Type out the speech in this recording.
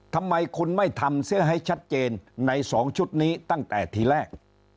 ทำไมคุณไม่ทำเสื้อให้ชัดเจนใน๒ชุดนี้ตั้งแต่ทีแรก